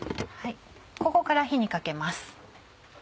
ここから火にかけます。